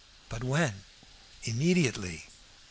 "But when?" "Immediately."